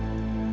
ya pak adrian